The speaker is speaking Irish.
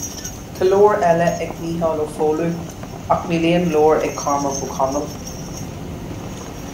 Tá leabhar eile ag Mícheál Ó Foghlú, ach níl aon leabhar ag Cormac Ó Conaill